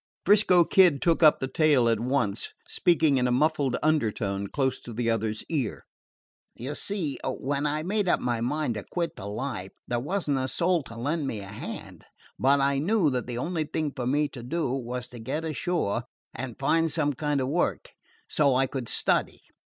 'Frisco Kid took up the tale at once, speaking in a muffled undertone close to the other's ear. "You see, when I made up my mind to quit the life, there was n't a soul to lend me a hand; but I knew that the only thing for me to do was to get ashore and find some kind of work, so I could study.